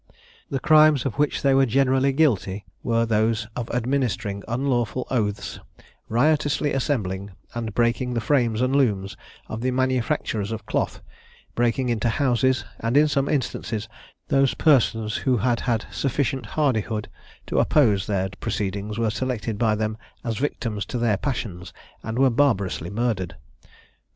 The crimes of which they were generally guilty were those of administering unlawful oaths, riotously assembling, and breaking the frames and looms of the manufacturers of cloth, breaking into houses, and in some instances those persons who had had sufficient hardihood to oppose their proceedings were selected by them as victims to their passions, and were barbarously murdered.